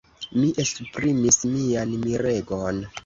Mi esprimis mian miregon.